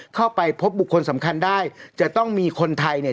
เข้าไปพบบุคคลสำคัญได้จะต้องมีคนไทยเนี่ย